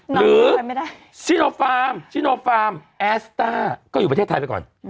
หรือซิโนฟาร์มซิโนฟาร์มแอสต้าก็อยู่ประเทศไทยไปก่อน